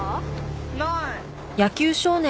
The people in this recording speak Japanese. ない。